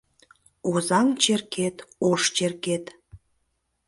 Озаҥ черкет — ош черкет